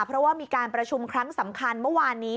เพราะว่ามีการประชุมครั้งสำคัญเมื่อวานนี้